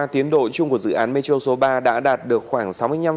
tiến độ chung của dự án mê chô số ba đã đạt được khoảng sáu mươi năm chín mươi một